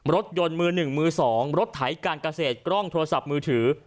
รถยนต์มือ๑มือ๒รถไถการเกษตรกล้องโทรศัพท์มือถือ